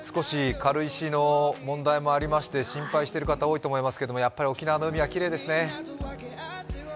軽石の問題もありまして心配してる方多いと思いますが、やはり沖縄の海はきれいですね。